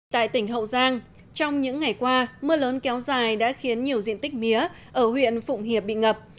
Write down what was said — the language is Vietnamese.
tại tỉnh hậu giang trong những ngày qua mưa lớn kéo dài đã khiến nhiều diện tích mía ở huyện phụng hiệp bị ngập